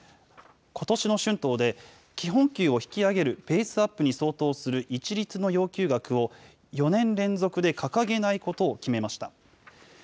ことしの春闘で、基本給を引き上げるベースアップに相当する一律の要求額を、４年連続で掲げないことを決めました。